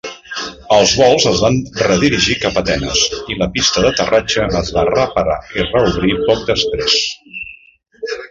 Els vols es van redirigir cap a Atenes i la pista d"aterratge es va reparar i reobrir poc després.